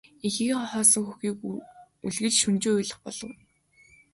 Эхийнхээ хоосон хөхийг үлгэж шөнөжин уйлах болов.